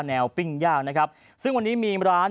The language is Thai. แนวปิ้งยากซึ่งวันนี้มีร้าน